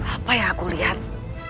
apa yang aku lihat